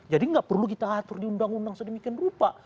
jadi tidak perlu kita atur di undang undang sedemikian rupa